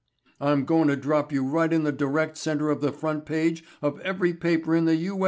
I'm goin' to drop you right into the direct center of the front page of every paper in the U.